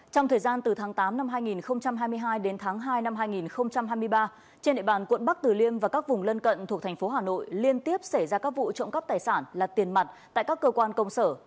trong thời gian từ tháng tám năm hai nghìn hai mươi hai đến tháng hai năm hai nghìn hai mươi ba trên địa bàn quận bắc tử liêm và các vùng lân cận thuộc thành phố hà nội liên tiếp xảy ra các vụ trộm cắp tài sản là tiền mặt tại các cơ quan công sở